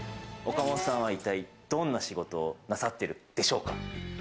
岡本さんは一体どんな仕事をなさっているでしょうか？